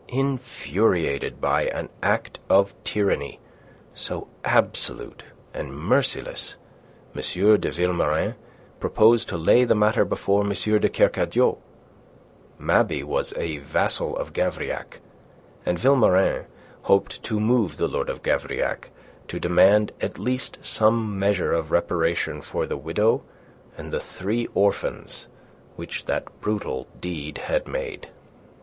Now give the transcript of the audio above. Infuriated by an act of tyranny so absolute and merciless, M. de Vilmorin proposed to lay the matter before M. de Kercadiou. Mabey was a vassal of Gavrillac, and Vilmorin hoped to move the Lord of Gavrillac to demand at least some measure of reparation for the widow and the three orphans which that brutal deed had made.